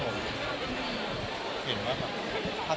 เห็นไหมครับ